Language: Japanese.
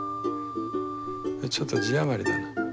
ちょっと字余りだな。